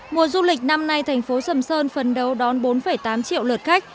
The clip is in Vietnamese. mùa du lịch năm nay thành phố sầm sơn phấn đấu đón bốn tám triệu lượt khách